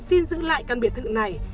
xin giữ lại căn biệt thự này